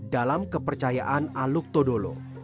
dalam kepercayaan aluk todolo